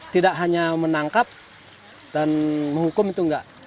tidak hanya menangkap dan menghukum itu enggak